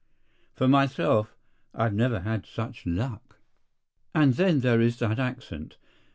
For myself, I have never had such luck. And then there is that accent.